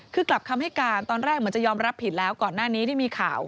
คือกลับคำให้การตอนแรกเหมือนจะยอมรับผิดแล้วก่อนหน้านี้ที่มีข่าว